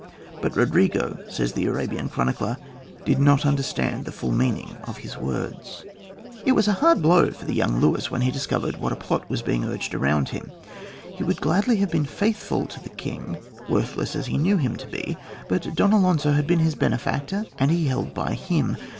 "But Rodrigo," says the Arabian chronicler, "did not understand the full meaning of his words." It was a hard blow for the young Luis when he discovered what a plot was being urged around him. He would gladly have been faithful to the king, worthless as he knew him to be; but Don Alonzo had been his benefactor, and he held by him.